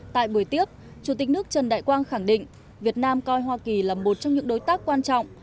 tại buổi tiếp chủ tịch nước trần đại quang khẳng định việt nam coi hoa kỳ là một trong những đối tác quan trọng